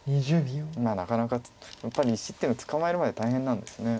なかなかやっぱり石っていうのは捕まえるまで大変なんですね。